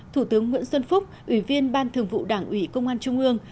thủ tướng nguyễn xuân phúc ủy viên ban thường vụ đảng ủy công an trung ương